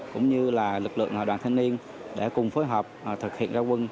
cũng như là lực lượng đoàn thanh niên để cùng phối hợp thực hiện ra quân